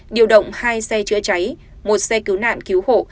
điều động hai xe chữa cháy một xe cứu nạn cứu hộ